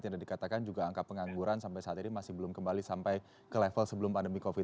dan dikatakan juga angka pengangguran sampai saat ini masih belum kembali sampai ke level sebelum pandemi covid sembilan belas